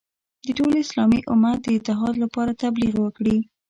د ټول اسلامي امت د اتحاد لپاره تبلیغ وکړي.